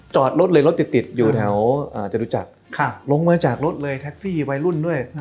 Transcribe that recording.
จอดรถเลยรถติดอยู่แถวจตุจักรลงมาจากรถเลยแท็กซี่วัยรุ่นด้วย